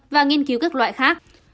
và nghiên cứu các loại khác